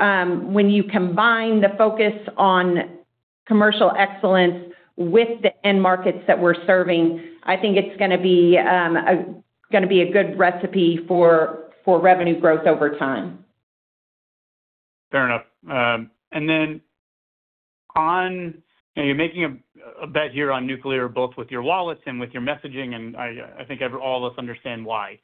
combine the focus on commercial excellence with the end markets that we're serving, I think it's going to be a good recipe for revenue growth over time. Fair enough. And then on, you're making a bet here on nuclear, both with your wallets and with your messaging, and I think all of us understand why.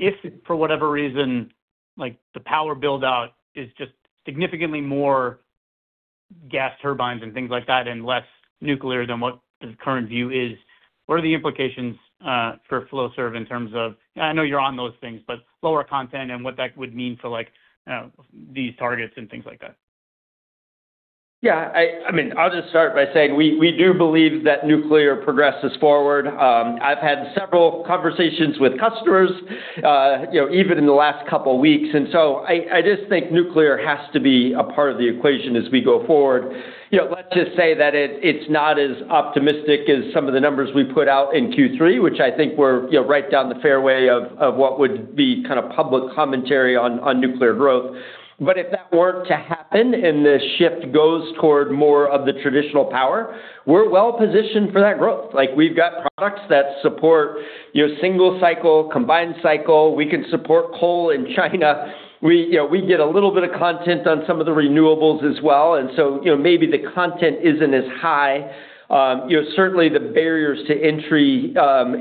If for whatever reason, the power buildout is just significantly more gas turbines and things like that and less nuclear than what the current view is, what are the implications for Flowserve in terms of I know you're on those things, but lower content and what that would mean for these targets and things like that? Yeah. I mean, I'll just start by saying we do believe that nuclear progresses forward. I've had several conversations with customers even in the last couple of weeks. And so I just think nuclear has to be a part of the equation as we go forward. Let's just say that it's not as optimistic as some of the numbers we put out in Q3, which I think we're right down the fairway of what would be kind of public commentary on nuclear growth. But if that weren't to happen and the shift goes toward more of the traditional power, we're well positioned for that growth. We've got products that support single cycle, combined cycle. We can support coal in China. We get a little bit of content on some of the renewables as well. And so maybe the content isn't as high. Certainly, the barriers to entry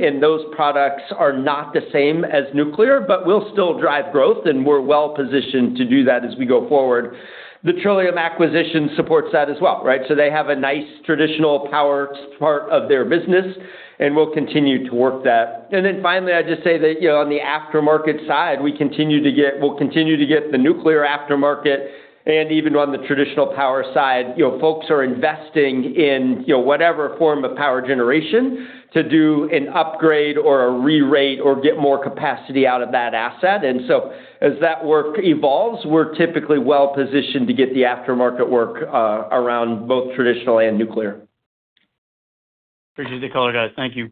in those products are not the same as nuclear, but we'll still drive growth, and we're well positioned to do that as we go forward. The Trillium acquisition supports that as well, right? So they have a nice traditional power part of their business, and we'll continue to work that. And then finally, I'd just say that on the aftermarket side, we'll continue to get the nuclear aftermarket and even on the traditional power side, folks are investing in whatever form of power generation to do an upgrade or a re-rate or get more capacity out of that asset. And so as that work evolves, we're typically well positioned to get the aftermarket work around both traditional and nuclear. Appreciate the call, guys. Thank you.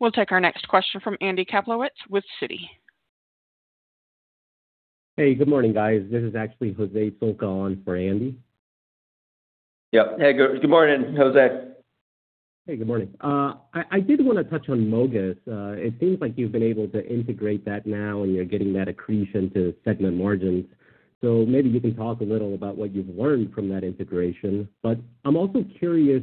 We'll take our next question from Andy Kaplowitz with Citi. Hey. Good morning, guys. This is actually Jose Sulca on for Andy. Yep. Hey. Good morning, Jose. Hey. Good morning. I did want to touch on MOGAS. It seems like you've been able to integrate that now, and you're getting that accretion to segment margins. So maybe you can talk a little about what you've learned from that integration. But I'm also curious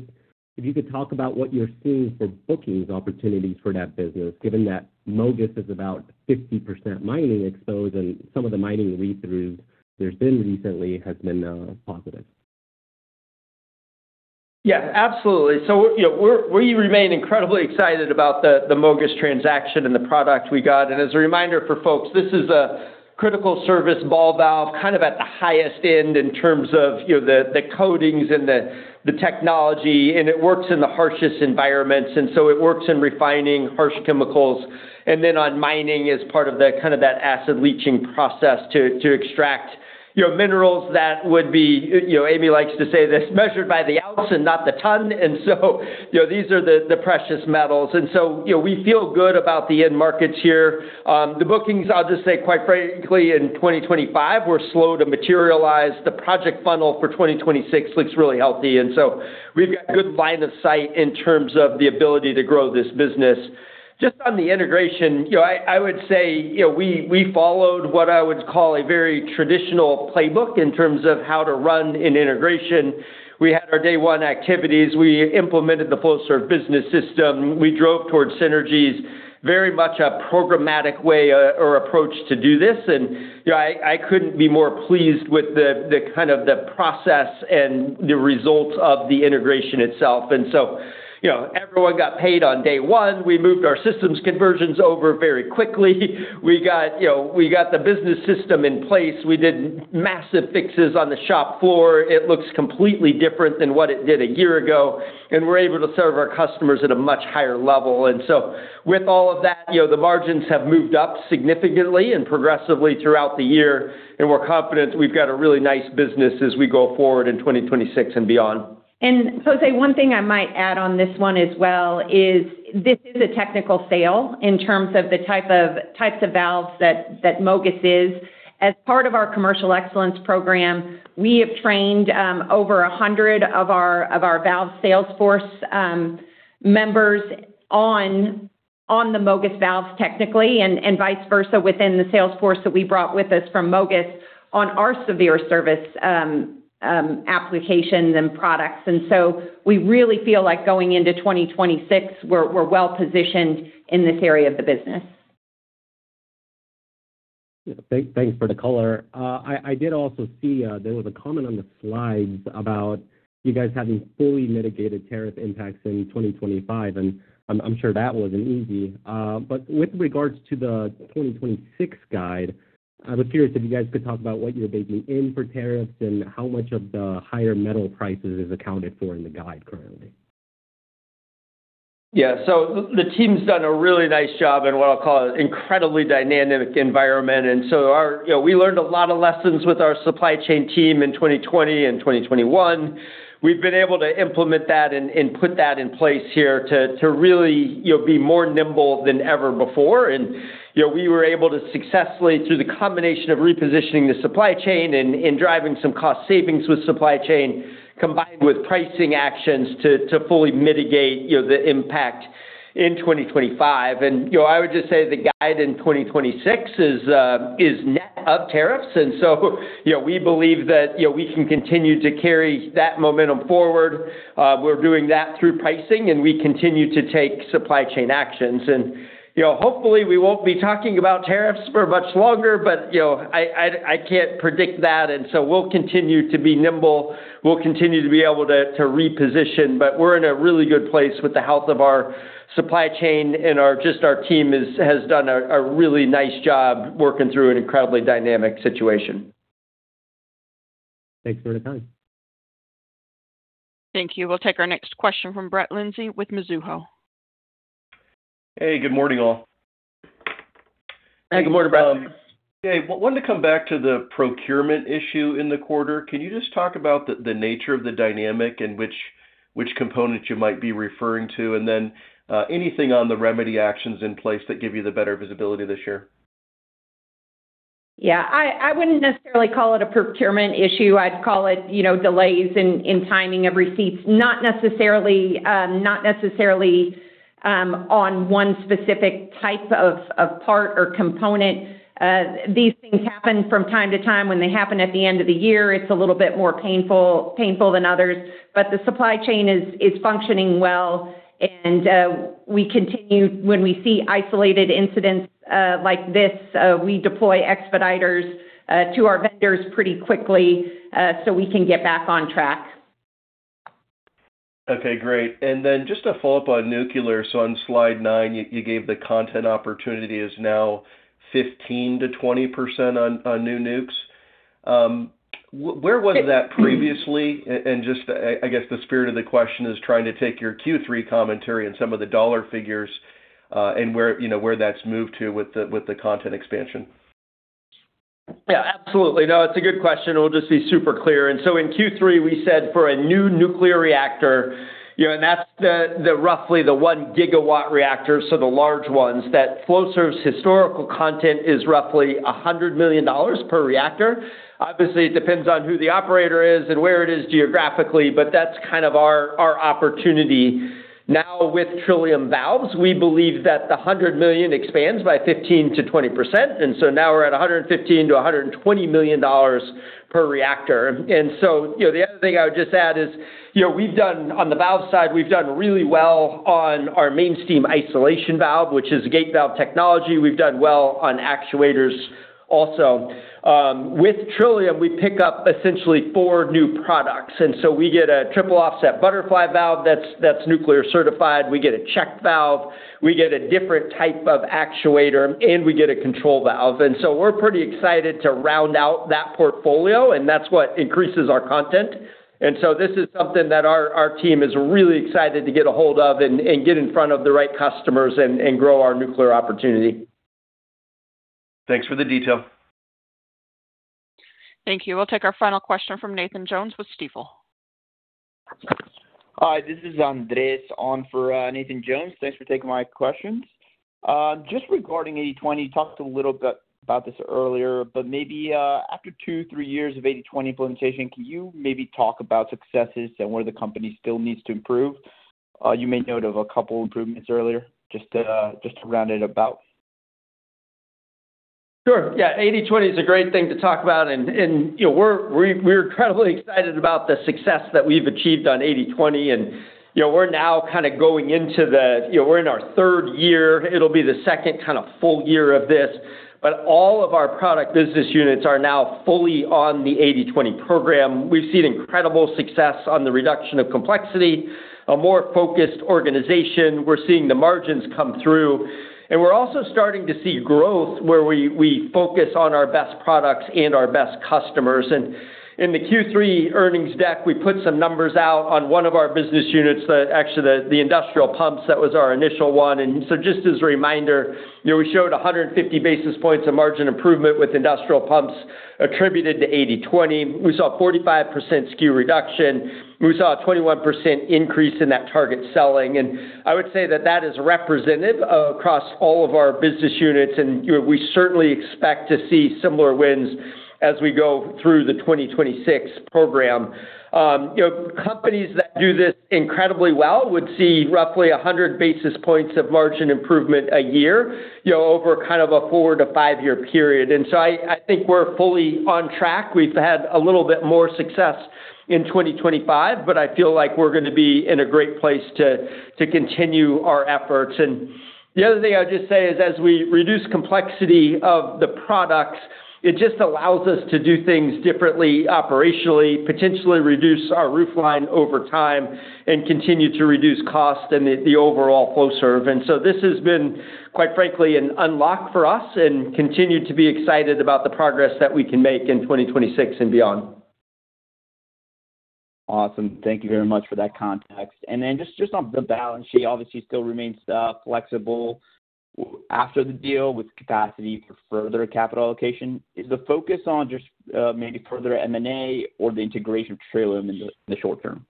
if you could talk about what you're seeing for bookings opportunities for that business, given that MOGAS is about 50% mining exposed and some of the mining read-throughs there's been recently has been positive. Yeah. Absolutely. So we remain incredibly excited about the MOGAS transaction and the product we got. And as a reminder for folks, this is a critical service ball valve kind of at the highest end in terms of the coatings and the technology, and it works in the harshest environments. And so it works in refining harsh chemicals and then on mining as part of kind of that acid leaching process to extract minerals that would be, Amy likes to say this, measured by the ounce and not the ton. And so these are the precious metals. And so we feel good about the end markets here. The bookings, I'll just say quite frankly, in 2025 were slow to materialize. The project funnel for 2026 looks really healthy. And so we've got good line of sight in terms of the ability to grow this business. Just on the integration, I would say we followed what I would call a very traditional playbook in terms of how to run an integration. We had our day one activities. We implemented the Flowserve Business System. We drove towards synergies, very much a programmatic way or approach to do this. And I couldn't be more pleased with kind of the process and the results of the integration itself. And so everyone got paid on day one. We moved our systems conversions over very quickly. We got the business system in place. We did massive fixes on the shop floor. It looks completely different than what it did a year ago. And we're able to serve our customers at a much higher level. And so with all of that, the margins have moved up significantly and progressively throughout the year. We're confident we've got a really nice business as we go forward in 2026 and beyond. Jose, one thing I might add on this one as well is this is a technical sale in terms of the types of valves that MOGAS is. As part of our commercial excellence program, we have trained over 100 of our valve sales force members on the MOGAS valves technically and vice versa within the salesforce that we brought with us from MOGAS on our severe service applications and products. So we really feel like going into 2026, we're well positioned in this area of the business. Yeah. Thanks for the color. I did also see there was a comment on the slides about you guys having fully mitigated tariff impacts in 2025. I'm sure that wasn't easy. With regards to the 2026 guide, I would be curious if you guys could talk about what you're baking in for tariffs and how much of the higher metal prices is accounted for in the guide currently? Yeah. So the team's done a really nice job in what I'll call an incredibly dynamic environment. And so we learned a lot of lessons with our supply chain team in 2020 and 2021. We've been able to implement that and put that in place here to really be more nimble than ever before. And we were able to successfully, through the combination of repositioning the supply chain and driving some cost savings with supply chain, combine with pricing actions to fully mitigate the impact in 2025. And I would just say the guide in 2026 is net of tariffs. And so we believe that we can continue to carry that momentum forward. We're doing that through pricing, and we continue to take supply chain actions. And hopefully, we won't be talking about tariffs for much longer, but I can't predict that. And so we'll continue to be nimble. We'll continue to be able to reposition. But we're in a really good place with the health of our supply chain, and just our team has done a really nice job working through an incredibly dynamic situation. Thanks for the time. Thank you. We'll take our next question from Brett Linzey with Mizuho. Hey. Good morning, all. Hey. Good morning, Brett Linzey. Hey. Wanted to come back to the procurement issue in the quarter. Can you just talk about the nature of the dynamic and which component you might be referring to, and then anything on the remedy actions in place that give you the better visibility this year? Yeah. I wouldn't necessarily call it a procurement issue. I'd call it delays in timing of receipts, not necessarily on one specific type of part or component. These things happen from time to time. When they happen at the end of the year, it's a little bit more painful than others. But the supply chain is functioning well. And when we see isolated incidents like this, we deploy expeditors to our vendors pretty quickly so we can get back on track. Okay. Great. And then just to follow up on nuclear. So on slide 9, you gave the content opportunity is now 15%-20% on new nukes. Where was that previously? And just, I guess, the spirit of the question is trying to take your Q3 commentary and some of the dollar figures and where that's moved to with the content expansion. Yeah. Absolutely. No, it's a good question. We'll just be super clear. And so in Q3, we said for a new nuclear reactor, and that's roughly the 1 GW reactors, so the large ones, that Flowserve's historical content is roughly $100 million per reactor. Obviously, it depends on who the operator is and where it is geographically, but that's kind of our opportunity. Now, with Trillium Valves, we believe that the $100 million expands by 15%-20%. And so now we're at $115 million-$120 million per reactor. And so the other thing I would just add is on the valve side, we've done really well on our main steam isolation valve, which is gate valve technology. We've done well on actuators also. With Trillium, we pick up essentially four new products. And so we get a triple-offset butterfly valve that's nuclear certified. We get a check valve. We get a different type of actuator, and we get a control valve. And so we're pretty excited to round out that portfolio, and that's what increases our content. And so this is something that our team is really excited to get a hold of and get in front of the right customers and grow our nuclear opportunity. Thanks for the detail. Thank you. We'll take our final question from Nathan Jones with Stifel. Hi. This is Andres on for Nathan Jones. Thanks for taking my questions. Just regarding 80/20, you talked a little bit about this earlier, but maybe after two, three years of 80/20 implementation, can you maybe talk about successes and where the company still needs to improve? You made note of a couple of improvements earlier, just to round it about. Sure. Yeah. 80/20 is a great thing to talk about. And we're incredibly excited about the success that we've achieved on 80/20. And we're now kind of going into the. We're in our third year. It'll be the second kind of full year of this. But all of our product business units are now fully on the 80/20 program. We've seen incredible success on the reduction of complexity, a more focused organization. We're seeing the margins come through. And we're also starting to see growth where we focus on our best products and our best customers. And in the Q3 earnings deck, we put some numbers out on one of our business units, actually the industrial pumps. That was our initial one. And so just as a reminder, we showed 150 basis points of margin improvement with industrial pumps attributed to 80/20. We saw 45% SKU reduction. We saw a 21% increase in that target selling. I would say that that is representative across all of our business units. We certainly expect to see similar wins as we go through the 2026 program. Companies that do this incredibly well would see roughly 100 basis points of margin improvement a year over kind of a four to five year period. So I think we're fully on track. We've had a little bit more success in 2025, but I feel like we're going to be in a great place to continue our efforts. The other thing I would just say is as we reduce complexity of the products, it just allows us to do things differently operationally, potentially reduce our roofline over time, and continue to reduce cost and the overall Flowserve. This has been, quite frankly, an unlock for us and continue to be excited about the progress that we can make in 2026 and beyond. Awesome. Thank you very much for that context. And then just on the balance sheet, obviously, still remains flexible after the deal with capacity for further capital allocation. Is the focus on just maybe further M&A or the integration of Trillium in the short term?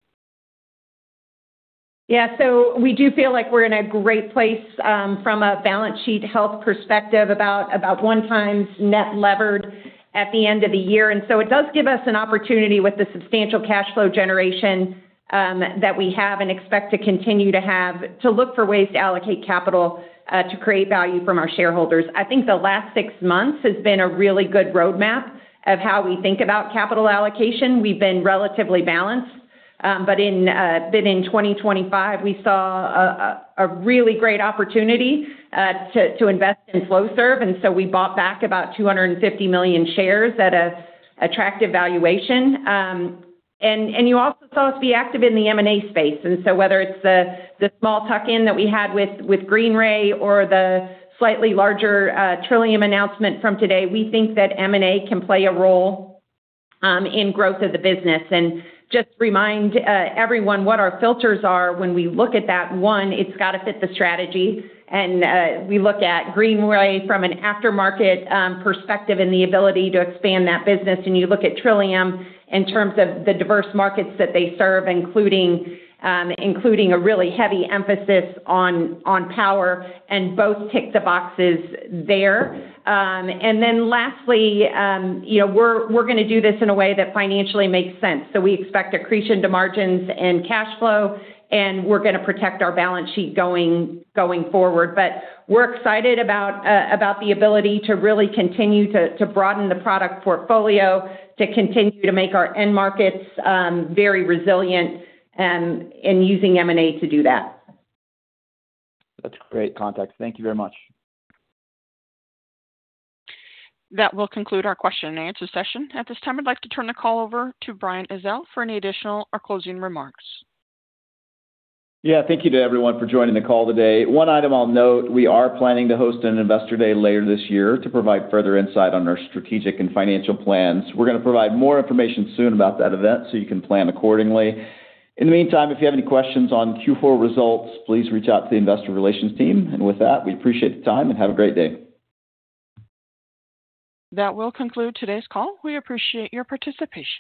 Yeah. So we do feel like we're in a great place from a balance sheet health perspective about 1x net leverage at the end of the year. So it does give us an opportunity with the substantial cash flow generation that we have and expect to continue to have to look for ways to allocate capital to create value for our shareholders. I think the last six months has been a really good roadmap of how we think about capital allocation. We've been relatively balanced. But then in 2025, we saw a really great opportunity to invest in Flowserve. And so we bought back about $250 million shares at an attractive valuation. And you also saw us be active in the M&A space. So whether it's the small tuck-in that we had with Greenray or the slightly larger Trillium announcement from today, we think that M&A can play a role in growth of the business. Just to remind everyone what our filters are when we look at that, one, it's got to fit the strategy. We look at Greenray from an aftermarket perspective and the ability to expand that business. You look at Trillium in terms of the diverse markets that they serve, including a really heavy emphasis on power, and both tick the boxes there. Then lastly, we're going to do this in a way that financially makes sense. We expect accretion to margins and cash flow, and we're going to protect our balance sheet going forward. We're excited about the ability to really continue to broaden the product portfolio, to continue to make our end markets very resilient in using M&A to do that. That's great context. Thank you very much. That will conclude our question and answer session at this time. I'd like to turn the call over to Brian Ezzell for any additional or closing remarks. Yeah. Thank you to everyone for joining the call today. One item I'll note, we are planning to host an Investor Day later this year to provide further insight on our strategic and financial plans. We're going to provide more information soon about that event so you can plan accordingly. In the meantime, if you have any questions on Q4 results, please reach out to the investor relations team. And with that, we appreciate the time and have a great day. That will conclude today's call. We appreciate your participation.